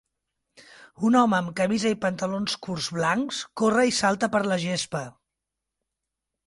Un home amb camisa i pantalons curts blancs corre i salta per la gespa.